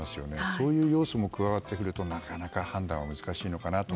そういう要素も加わってくるとなかなか判断も難しくなってくるのかなと。